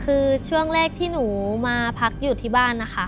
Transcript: คือช่วงแรกที่หนูมาพักอยู่ที่บ้านนะคะ